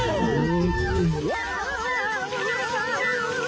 うわ！